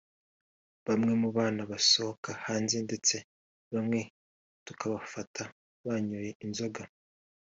bamwe mu bana basohoka hanze ndetse bamwe tukabafata banyoye inzoga